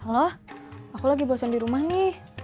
halo aku lagi bosen di rumah nih